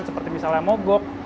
seperti misalnya mogok